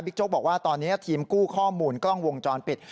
โจ๊กบอกว่าตอนนี้ทีมกู้ข้อมูลกล้องวงจรปิด